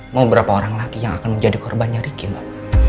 mau berapa orang lagi yang akan menjadi korbannya ricky mbak